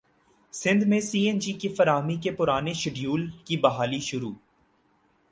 سندھ میں C N G کی فراہمی کے پرانے شیڈول کی بحالی شروع